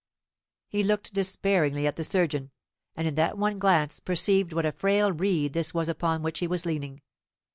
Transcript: He looked despairingly at the surgeon, and in that one glance perceived what a frail reed this was upon which he was leaning.